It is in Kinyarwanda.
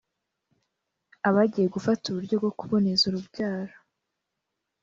abagiye gufata uburyo bwo kuboneza urubyaro,